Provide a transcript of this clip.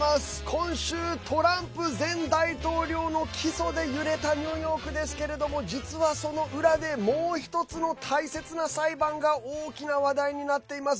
今週、トランプ前大統領の起訴で揺れたニューヨークですけれども実は、その裏でもう１つの大切な裁判が大きな話題になっています。